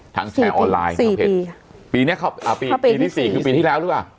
แชร์ออนไลน์ทางเพจปีเนี้ยเขาอ่าปีปีที่สี่คือปีที่แล้วหรือเปล่า